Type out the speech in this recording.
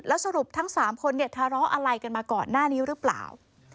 สรุปทั้ง๓คนเนี่ยทะเลาะอะไรกันมาก่อนหน้านี้หรือเปล่า